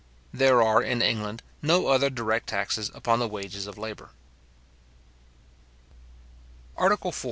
There are in England no other direct taxes upon the wages of labour. ARTICLE IV.